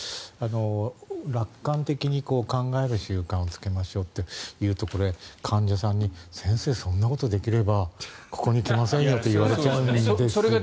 楽観的に考える習慣をつけましょうと言うとこれ、患者さんに先生、そんなことできればここに来ませんよと言われちゃうんですが。